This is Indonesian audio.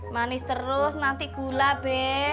manis terus nanti gula be